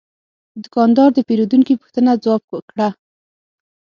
دوکاندار د پیرودونکي پوښتنه ځواب کړه.